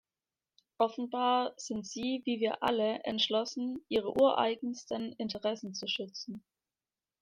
Offenbar sind sie, wie wir alle, entschlossen, ihre ureigensten Interessen zu schützen.